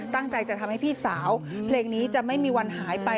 ตั้งใจจะทำให้พี่สาวเพลงนี้จะไม่มีวันหายไป